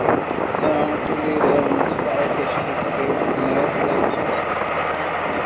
Não toleraremos falta de respeito nesta escola